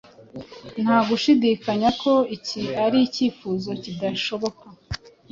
Nta gushidikanya ko iki ari icyifuzo kidashoboka,